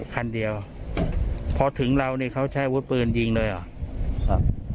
คันเดียวพอถึงเราเนี่ยเขาใช้วุฒิปืนยิงเลยหรอ